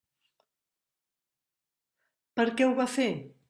Per què ho va fer?